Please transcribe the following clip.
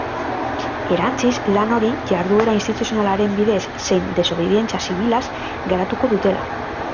Erantsiz, lan hori jarduera instituzionalaren bidez zein desobedientzia zibilaz garatuko dutela.